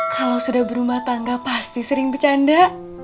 kalau sudah berumah tangga pasti sering bercanda